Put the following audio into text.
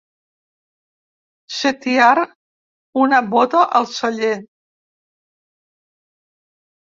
Setiar una bota al celler.